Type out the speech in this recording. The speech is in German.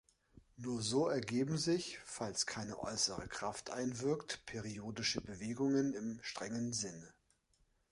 Nur so ergeben sich, falls keine äußere Kraft einwirkt, periodische Bewegungen im strengen Sinne.